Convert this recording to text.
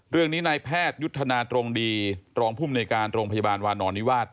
เรื่องนี้นายแพทยุทธนาตรงดีรองภูมิในการโรงพยาบาลวานอนนิวาส